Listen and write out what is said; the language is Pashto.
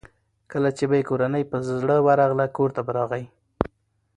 کله چې به یې کورنۍ په زړه ورغله کورته به راغی.